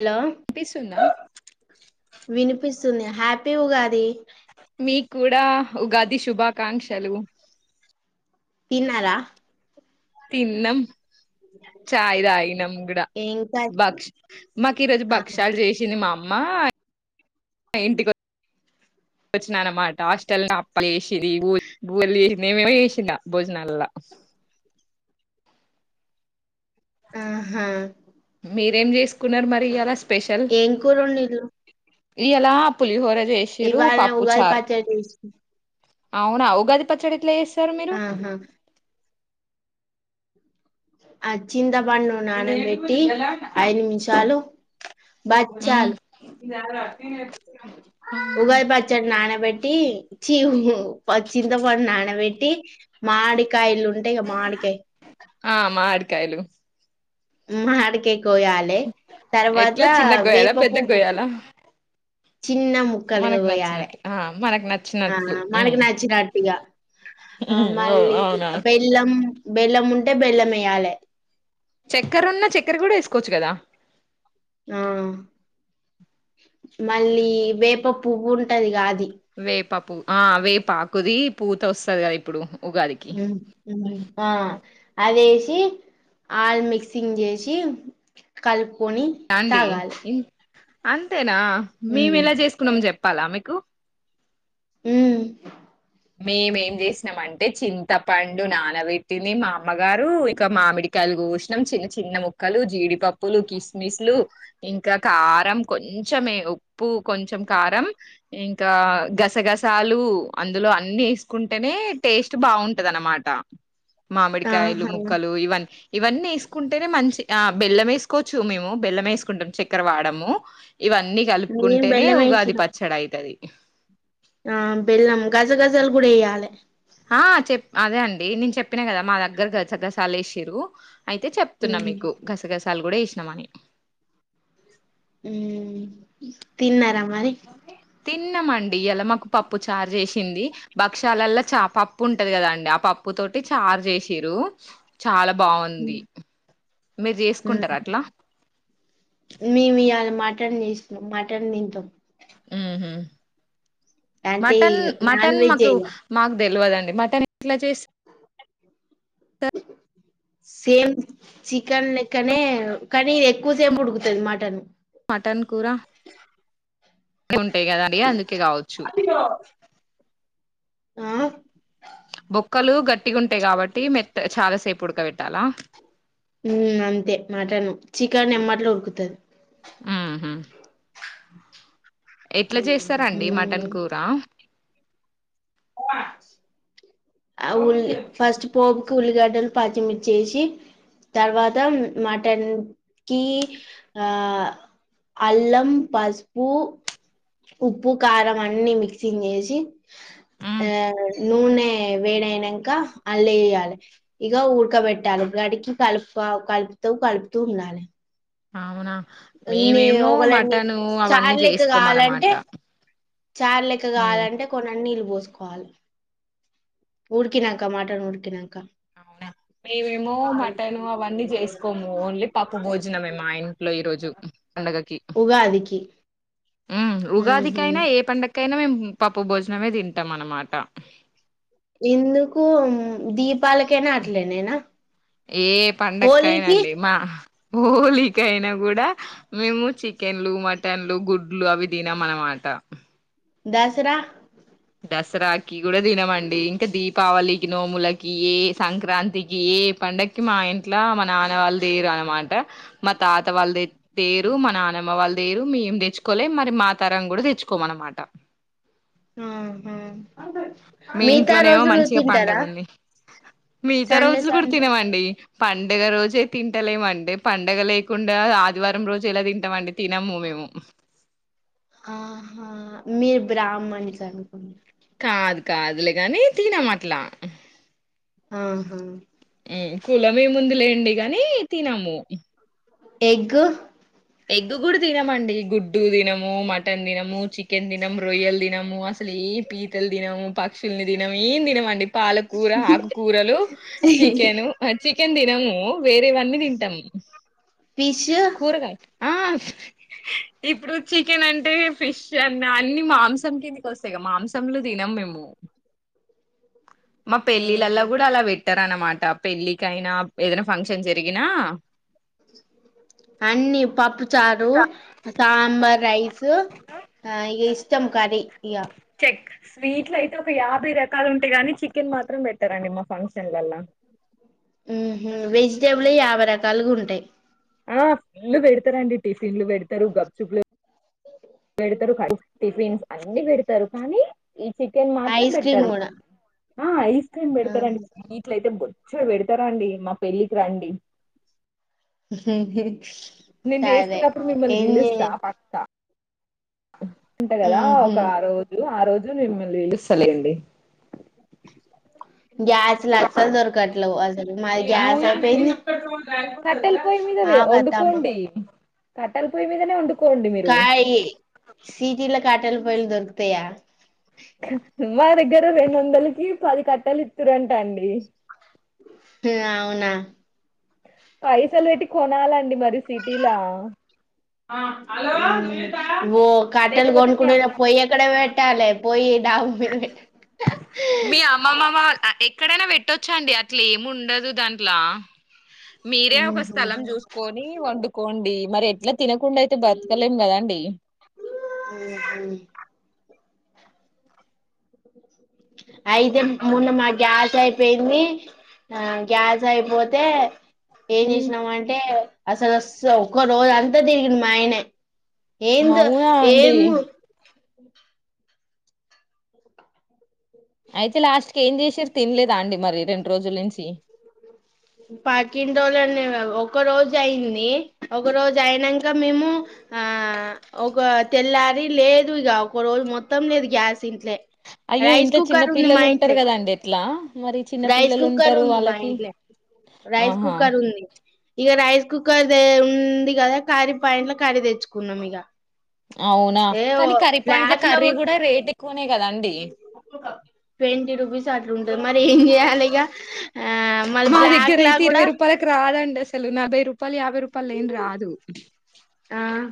Hello వినిపిస్తుందా వినిపిస్తుంద happy Ugadi మీ కూడా ఉగాది శుభాకాంక్షలు తిన్నారా తిన్నం చాయి తాగినం గుడా ఏం కర్రీ భక్ష మాకు ఈరోజు ఆ, భక్షలు చేసింది మా అమ్మా ఇంటికి వచ్ వచ్చినా అన్నమాట హాస్టల్ అ వేసింది [unintelligible] ఏమేమో చేసింది ఇంకా భోజనాల ఆహా మీరేం చేసుకున్నారు మరి ఇయాల ఏం కూర వండిర్రు ఇయ్యాల పులిహోర చేసిరు పప్పు ఉగాది చారు పచ్చడి చేసిన అవునా ఉగాది పచ్చడి ఎట్ల చేస్తరు మీరు ఆహా ఆ చింత పండు నానబెట్టి ఈ ఐదు నిమిషాలు మ్మ్. బచ్చాలు ఉగాది పచ్చడి నా బెటి చి ప చింతపండు నానబెట్టి మాడి కాయల్ ఉంటేగా మాడి కాయ ఆ మాడి కాయలు మాడి కాయ కోయాలే తర్వాత ఎట్లా చిన్నగ గోయాలా వేప పెద్దగ పువ్వు గోయాలా చిన్న ముక్కలుగా మనకు పోయాల నచ్చినట్టు ఆ మనకు ఆ నచ్చినట్లు ఉమ్ మనకునచ్చినటిగా ఆ ఉమ్ ఓ మళ్ళీ అవునా బెల్లం బెల్లం ఉంటే బెల్లం వేయాలే చక్కెర ఉన్న చక్కెర కూడా వేసుకోవచ్చు కదా ఆ మళ్ళీ వేప పువ్వు ఉంటది కాది వేప పూ ఆ వేప ఆకుది పూత వస్తది కదా ఇప్పుడు ఉగాదికి ఆ అదేసి ఆల్ మిక్సింగ్ చేసి కల్పుకుని అండి తాగాలే ఇన్- అంతేనా మేము ఎలా చేసుకున్నాం చెప్పాలా మీకు ఉమ్ మేమేం చేసినాం అంటే చింతపండు నానబెట్టింది మా అమ్మగారు ఇంకా మామిడికాయలు కోసినం చిన్న చిన్న ముక్కలు జీడిపప్పులు కిస్మిస్లు ఇంకా కా కారం కొంచమే ఉప్పు కొంచెం కారం ఇంకా గసగసాలు అందులోనే అన్ని వేసుకుంటేనే టేస్ట్ బాగుంటది అనమాట మామిడికాయలు ఆహా! ముక్కలు ఇవన్న ఇవన్నీ వేసుకుంటేనే మంచి ఆ బెల్లం వేసుకోవచ్చు మేము బెల్లం వేసుకుంటాము చక్కెర వాడము ఇవన్నీ నేను కలుపుకుంటేనే ఉగాది బెల్లమేసిన. పచ్చడి అవుతది ఆ బెల్లం గసగసాలు కూడా వేయ్యాలే ఆ చెప్ అదే అండి నేను చెప్పినా కదా మా దగ్గరగా చగ్గ గాసాగాసాలేసిరు అయితే చెప్తున్నా హ్మ్. మీకు గసగసాలు కూడా ఇసినాంమని ఉమ్ తిన్నార మరి తిన్నామండి ఇలా మాకు పప్పు చారు చేసింది భక్ష్యాలల్ల చ పప్పు ఉంటది కదా అండి ఆ పప్పు ఉప్పు తోటి చార్ చేసిర చాలా బాగుంది హ్మ్. మీరు చేసుకుంటారా అట్లా మేము ఇయ్యల మటన్ చేసినం మటన్ తింటాం ఉహు అంటే మటన్ నాన్ మటన్ వెజ్ ఏ మాకు ఇగ మా తెలియదండి మటన్ ఏట్లా చేస్త ఆ సేమ్ చికెన్ లెక్కనే కానీ ఎక్కువసేపు ఉడుకుతది మటన్ మటన్ కూర అ ఉంటాయి కదా అడిగ అందుకే కావచ్చు ఆ బొక్కలు గట్టిగా ఉంటాయి కాబట్టి మెత్త చాలాసేపు ఉడకబెట్టాలా అంతే మటన్ చికెన్ ఎమ్మటె ఉడుకుతది ఉహు ఎట్లా చేస్తారండి మటన్ ఉమ్ కూర ఆ ఉల్లి ఫస్ట్ పోపుకి ఉల్లిగడ్డలు పచ్చి మిర్చేసి తర్వాత మటన్ కి ఆ అల్లం పసుపు ఉప్పు కారం అన్ని మిక్సింగ్ చేసి ఉమ్, ఆ నూనె వేడయినాక అల్ల ఎయాలి ఇక ఉడకబెట్టాలి గ ఇట్ల కల్పు కల్పితవు కల్పుతూ ఉండాలి అవునా అన్ని మేమేమో ఒకలన్ని మటన్ అవన్నీ చేసుకోము అన్నమాట చార్ లెక్క కావాలంటే కొన్నిన్ని నీళ్ళు పోసుకోవాలి ఉడికినంక మటన్ ఉడికినంక అవునా మేమేమో మటన్ అవన్నీ చేసుకోము ఓన్లీ పప్పు భోజనమే మా ఇంట్లో ఈరోజు ఉగాదికి హ్మ్ ఉహు ఉగాదికైనా ఏ పండక్ కైనా మేము పప్పు భోజనమే తింటాం అన్నమాట ఎందుకు దీప్ పాలకైనా అట్లనేనా ఏ హోలీకి హోలికైనా కూడా మేము చికెన్లు మటన్లు గుడ్లు అవి తినం అన్నమాట ఆ దసరా దసరాకి కూడా తినమండి ఇంకా దీపావళికి నోములకి ఏ సంక్రాంతికి ఏ పం పండకి మా ఇంట్లో మా నాన్న వాళ్ళు తేరు అనమాట మా తాత వాళ్ళు తేరు మా నాన్న నమ వాళ్ళు తేరు మేం తెచ్చుకోలే మరి మా తరం కూడా తెచ్చుకోమన్నమాట ఆహా మీ మిగతా ఇంట్లోనేమో రోజులు మంచిగా తింటారా పండగుంది మిగతా సండే రోజులు సం కూడా తినవండి పండుగ రోజే తింటలేమండి పండగ లేకుండా ఆదివారం రోజు ఎలా తింటామండి తినము మేము ఆహా మీరు బ్రాహ్మణ్స్ అనుకుంట కాదు కాదులే కానీ తినం అట్లా ఆహా కులం ఏముంది లేండి గానీ తినము ఎగు ఎగ్ కూడా తినమండి గుడ్డు తినము మటన్ తినము చికెన్ తినము రొయ్యల్ తినము అసలు ఏ పీ ట్టలు తినము పక్షుల్ని తినము ఏం తినమండి పాలకూర ఆకుకూరలు చికెను చి చికెన్ తినము వేరే వన్నీ తింటం ఫీష్ ఆ ఇప్పుడు చికెన్ అంటే ఫిష్ అన్న అన్ని మాంసం కిందికి వస్తాయి కద మాంసంలు తినం మేము ము మా పెళ్ళిళ్ళలా ఆహా కూడా అలా పెట్ట అనమాట పెళ్ళికైనా ఏదైనా ఫంక్షన్ జరిగినా అన్నీ పప్పు చారు సాంబార్ రైస్ ఆ ఇగ ఇష్టం కర్రీ ఇగ స్వీట్లైతే ఒక యాభై రకాలు ఉంటాయి గాని చికెన్ మాత్రం పెట్టారండి మా ఫంక్షన్లలా మ్ హూ వెజిటేబులే యాభై రకాలుగా ఉంటాయ్ ఆ ఫుల్లు పెడతారండి టిఫిన్లు పెడతారు గప్చూపులు పెడతారు కానీ టిఫిన్స్ అన్ని పెడతారు కానీ ఈ చికెన్ మాత్రం ఐస్ క్రీమ్ పెట్టరు కూడా ఆ ఐస్ క్రీమ్ పెడతారండి ఆహా. స్వీట్లయితే బొ చ్చెడు పెడతరండి మా పెళ్ళికి రండి హ నేను చేసుకున్నప్పుడు మిమ్మల్ని పిలుస్తా పక్కా ఉంటా కదా ఉహు ఒక ఆ రోజు ఆ రోజు రోజు మిమ్మల్నీ పిలుస్తాలేండి గ్యాస్లు అసలు దొరకట్లేవ్ మాది గ్యాస్ అవునండి అయిపోయింది కట్టెల కట్టెలపొయి మీదనే ఒండు కాయీ సిటీలో కట్టెల పోయలు దొరుకుతయా మా దగ్గర రెండు వందలకి పది కట్టెలు ఇతురంటా అండి అవునా పైసలు పెట్టి కొనాలండి మరి సిటీలా ఓ కాట్టేలు లేకపోతే మీ నోనుకుంటేనే అమ్మ పొయ్యేక్కడ పెట్టాలే పోయ్యి డాబా మీద పెట్ ఆ ఎక్కడైనా పెట్టొచ్చాండి అట్లే ముండదు దాంట్లో మీరే ఒక స్థలం చూసుకొని వండుకోండి మరి ఎట్లా తినకుండా అయితే బతకలేం కదండి అయితే మొన్న మా గ్యాస్ అయిపోయింది ఆ గ్యాస్ అయిపోతే ఏం చేసినాం అంటే అసలు స్ ఒక రోజు అంతా తిరిగింన్ మా ఆయనే ఏం దో అవునా అండి ఎం అయితే లాస్ట్ కి ఏం చేసిర్రు తినలేదా అండి మరి రెండు రోజుల నుంచి పక్కిటోళ్ళని ఒక రోజు అయింది ఒక రోజు అయినాక మేము ఆ ఒక తెల్లారి లేదు ఇగ ఒక రోజు మొత్తం లేదు గ్యాస్ ఇంట్లే అయ్యో రైస్ ఇంట్లో చిన్న కుక్కర్ ఉంది మా పిల్లలు ఉంటారు ఇంట్లే కదండి ఎట్లా మరి చిన్న రైస్ పిల్లలు కుక్కర్ ఉంటారు ఉంది మా వాళ్ళకి ఇంట్లే రైస్ ఆహా కుక్కర్ ఉంది ఇగ రైస్ కుక్కర్ దే ఉంది కదా కరిీ పాంట్ల కరీ తెచ్చుకున్నాం ఇగ అవునా ఏ కానీ కర్రీ పాయింట్ల బ్లాక్ లో కర్రీ కూడా రేట్ ఎక్కువనే కదాండి ట్వంటీ రూపీస్ అట్లుంటది మరి ఏం చెయాలి ఇగ ఆ మల్ బ్లాక్ లా కూడా కి రాదండి అసలు నలభై రూపాయలు యాభై రూపాయలేం రాదు ఆ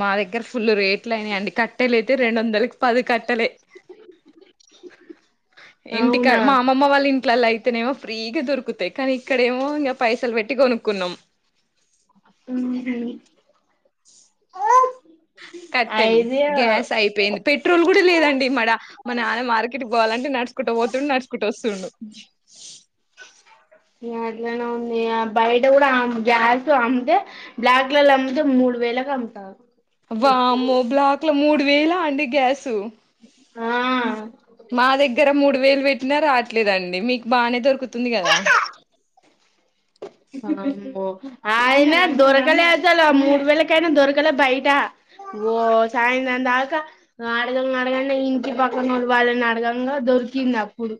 మా దగ్గర ఫుల్ రేట్లైనాయండి కట్టెలు అయితే రెండు వందలకి పది కట్టెలే ఇంటికా అవునా మా అమ్మమ్మ వాళ్ళ ఇం ట్లలైతేనేమో ఫ్రీగా దొరుకుతాయి కానీ ఇక్కడేమో ఇంగ పైసలు పెట్టి కొనుక్కున్నాం మ్ హు కట్టెలు గ్యాస్ అయిపోయింది పెట్రోల్ కూడా లేదండి మడ మ నాన్న మార్కెట్ పోవాలంటే నడుచుకుంట పోతుండు నడుచుకుంట వస్తుండు అట్లానే ఉంది బయట కూడా గ్యాస్ అమ్మితే బ్లాక్ కలల్ల అమ్తే మూడు వేలు లకమ్ముతాళ్లు వామ్మో బ్లాక్ ల మూడు వేలా అండి గ్యాసు ఆ మా దగ్గర మూడు వేలు పెట్టినా రావట్లేదండి మీకు బానే దొరుకుతుంది కదా ఆయన దొరకలే అసలు ఆ మూడు వేలకైనా దొరకలే బయట ఓ సాయంత్రం దాకా అడగంగా అడగండి ఇంటి పక్కనోళ్లు వాాలని అడగంగా దొరికింది అప్పుడు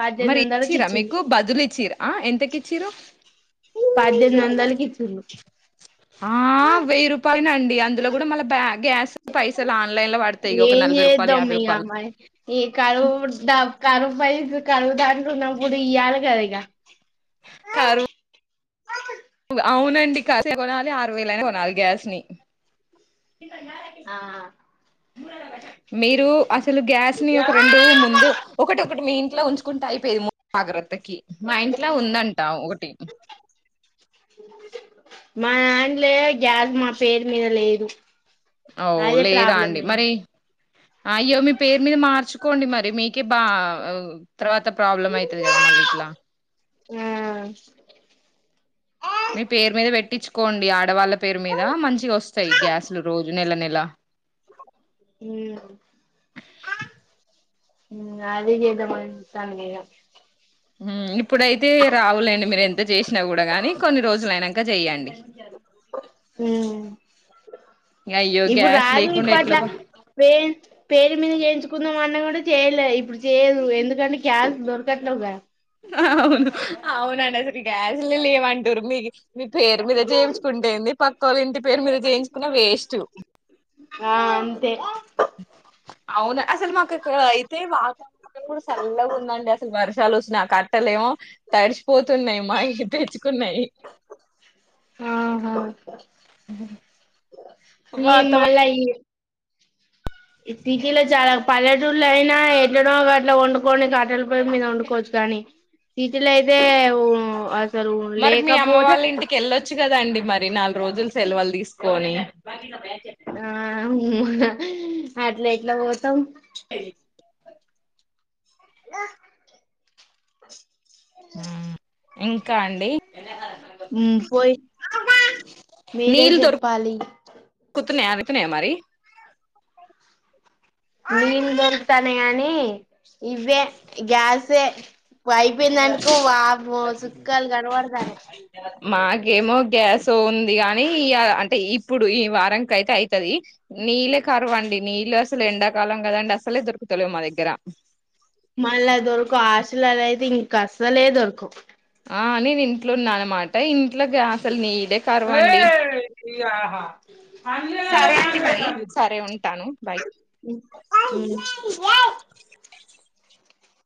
పద్దెనిమిది మరి వందలకి ఇచీరా ఇచ్చిండు మీకు బదులీ చీ ఆ ఎంతకిచిరు పడ్డెనిమిది వందలకు ఇచ్చిళ్ళు ఆ వెయ్యి రూపాయనండి అందులో కూడా మళ్ళ బ్యాగ్ గ్యాస్ పైసలు ఆన్లైన్ లో పడతాయి ఇ ఒక ఏం నలభై రూపాయలు చేద్దాం యాభై ఇగ రూపాయలు మరి ఈ కరువు డ కరువు పైస్ కరువు దాంట్లున్నప్పుడు ఇయ్యలిగా ఇగ కరువ్ అవునండి కాస్త కొనాలి ఆరు వేలైన కొనాలి గ్యాస్ ని ఆ మీరు అసలు గ్యాస్ ని ఒక రెండు ముందు ఒకటోకటి మీ ఇం ట్లా ఉంచుకుంటైపోయేది ము జాగ్రత్తకి మా ఇంట్ల ఉందంట ఒకటి మా దంట్లే గ్యాస్ మా పేరు మీద లేదు ఓ అదే లేదా ప్రాబ్లం అండి అయింది మరి అయ్యో మీ పేరు మీద మార్చుకోండి మరి మీకే బా తర్వాత ప్రాబ్లమ్ అయితది కదా మళ్ళిట్ల ఆ మీ పేరు మీద పెట్టించుకోండి ఆడవాళ్ళక్ పేరు మీద మంచిగోస్తాయ్ గ్యాస్లు రోజు నెల నెల అ డాడీ కి చేద్దామని చెప్తాంది ఇగ ఇప్పుడైతే రావులేండి మీరు ఎంత చేసినా కూడా గాని కొన్ని రోజులు అయినాక చెయ్యండి మ్మ్ అయ్యో ఇప్పుడు గ్యాస్ రాదు లేకుండా ఇప్పట్ల ఎట్లా బ పే పేరు మీద చేయించుకుందామంటే కూడా చేయలే ఇప్పుడు చేయదు ఎందుకంటే గ్యాస్ దొరకట్లేదు గా అవునట సలు గ్యాస్ లేవంటురు మీలు మీ పేరు మీద చేయించుకుంటేంది పక్క వాళ్ళ ఇంటి పేరు మీద చేయించుకున్న వేస్ట్ ఆ అంతే అవునా అసలు మాకు ఇక్క అయితే వాతావరణం కూడా చల్లగా ఉందండి అసలు వర్షాలు వస్తునా ఆ కట్టలే ఏమో తడిసిపోతున్నాయి మాయి తెచ్చుకున్నాయి ఆ హా ఏ వాతావరణం మల్ల సిటీలో చాలా పల్లెటూళ్లో అయినా ఎట్లను అట్లా వండుకోని కట్టెల పొయ్యి మీద వండుకోవచ్చు కానీ సిటీలోలు అయితే అసలు మరి మీ అమ్మ లేకపోతే వాళ్ళ ఇంటికి వెళ్ళొచ్చు కదా అండి మరి నాలుగు రోజులు సెలవులు తీసుకొని ఆ అట్లా ఎట్లా పోతాం హ ఆ ఇంకా అండి పోయి మీరే నీళ్ళు చెప్పాలి వచ్చినయా మరి నీళ్లు దొరుకుతున్నాయి కానీ ఇవే గ్యాసే అయిపోయిన దానికో వామ్మ సుకాలు కనబడతానే ఏమో గ్యాస్ ఉంది గాని అంటే ఇప్పుడు ఈ వారంక అయితే అవుతుది నీళ్ళ కరవండి నీళ్ళలు అసలు ఎండాకాలం కదండి అసలే దొరుకుతలే మా దగ్గర మళ్ళీ దొరక హాస్టల్లో అయితే ఇంక కసలే దొరకవు ఆ నేను ఇంట్లో ఉన్నా అనమాట ఇంట్లోకి అసలు నెయ్యి ఏ ఆహా ఐ సరే అండి మరి సరే ఉంటాను బాయ్ ఐ ఐ అ